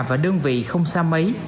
và đơn vị không xa mấy